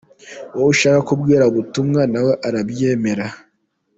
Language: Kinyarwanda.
Uwo ushaka kubwira ubutumwa nawe arabyemera.